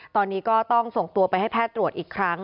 ตอนนี้ก็ต้องส่งตัวไปให้แพทย์ตรวจอีกครั้ง